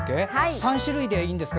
３種類でいいんですか。